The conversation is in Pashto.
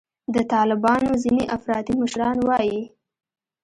د طالبانو ځیني افراطي مشران وایي